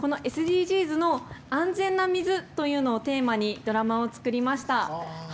このＳＤＧｓの安全な水というのをテーマにドラマを作りました。